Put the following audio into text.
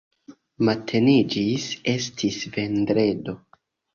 Mateniĝis, estis vendredo.